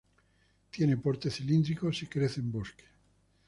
Tiene porte cilíndrico si crece en bosque.